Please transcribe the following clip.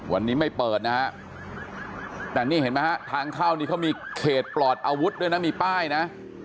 วันนี้ไม่เปิดนะฮะแต่นี่เห็นไหมฮะทางเข้านี่เขามีเขตปลอดอาวุธด้วยนะมีป้ายนะ